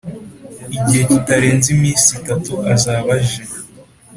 Igihe kitarenze iminsi itatu azaba aje.